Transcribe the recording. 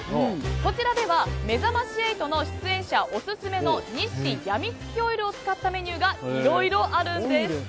こちらでは「めざまし８」の出演者オススメの日清やみつきオイルを使ったメニューがいろいろあるんです。